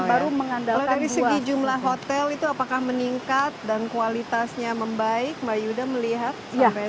baru mengandalkan jumlah hotel itu apakah meningkat dan kualitasnya membaik mbak yuda melihat sampai